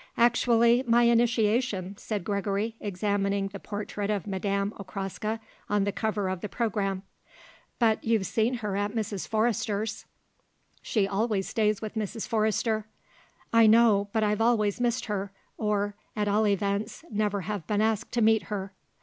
"Actually my initiation," said Gregory, examining the portrait of Madame Okraska on the cover of the programme. "But you've seen her at Mrs. Forrester's? She always stays with Mrs. Forrester." "I know; but I've always missed her, or, at all events, never been asked to meet her."